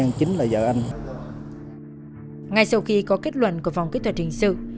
ngay sau khi có kết luận của phòng kỹ thuật hình sự